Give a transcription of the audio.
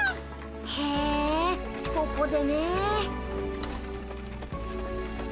へえここでねえ。